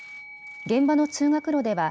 現場の通学路では、